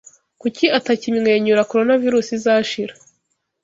Kuki atakimwenyura Coronavirusi izashira!